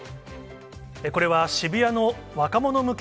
これは渋谷の若者向け